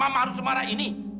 sampai clocah di